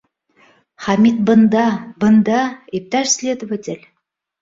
Хәмит бында, бында, иптәш следователь!